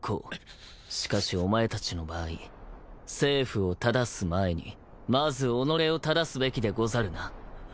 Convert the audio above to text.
しかしお前たちの場合政府を正す前にまず己を正すべきでござるな。